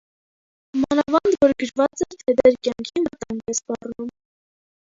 մանավանդ որ գրված էր, թե ձեր կյանքին վտանգ է սպառնում: